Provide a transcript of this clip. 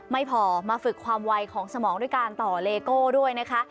ไม่พอมาฝึกความไวของสมองด้วยการต่อเลโก้ด้วยนะคะ